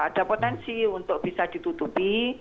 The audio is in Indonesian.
ada potensi untuk bisa ditutupi